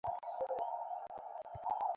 তারা চক্রকে ঈশ্বর বলছে।